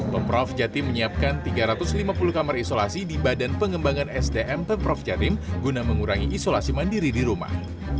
pemprov jatim menyiapkan tiga ratus lima puluh kamar isolasi di badan pengembangan sdm pemprov jatim guna mengurangi isolasi mandiri di rumah